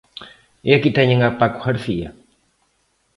E aquí teñen a Paco García.